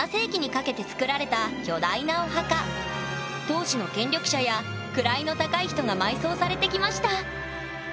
当時の権力者や位の高い人が埋葬されてきました。